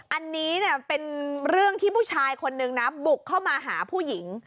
อันนี้เนี่ยเป็นเรื่องที่ผู้ชายคนนึงนะบุกเข้ามาหาผู้หญิง